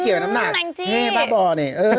เราเขาอ้วนเกิดไม่อยากให้ข้องตัว